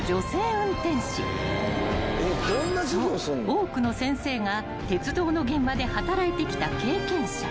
多くの先生が鉄道の現場で働いてきた経験者］